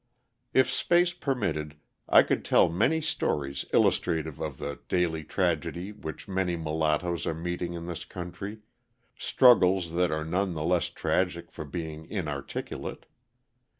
If space permitted I could tell many stories illustrative of the daily tragedy which many mulattoes are meeting in this country, struggles that are none the less tragic for being inarticulate.